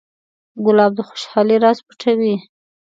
ګلاب د خوشحالۍ راز پټوي.